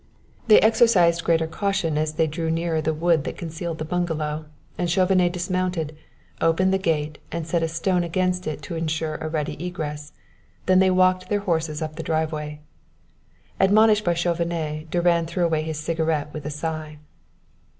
They exercised greater caution as they drew nearer the wood that concealed the bungalow, and Chauvenet dismounted, opened the gate and set a stone against it to insure a ready egress; then they walked their horses up the driveway. Admonished by Chauvenet, Durand threw away his cigarette with a sigh.